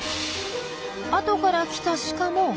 あとから来たシカも。